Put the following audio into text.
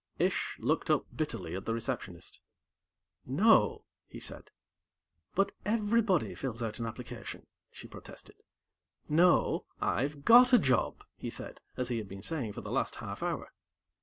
Ish looked up bitterly at the Receptionist. "No," he said. "But everybody fills out an application," she protested. "No. I've got a job," he said as he had been saying for the last half hour.